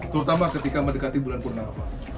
terutama ketika mendekati bulan punawak